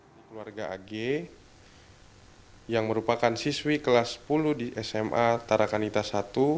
ini keluarga ag yang merupakan siswi kelas sepuluh di sma tarakanita i